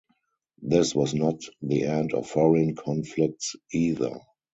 This was not the end of foreign conflicts either.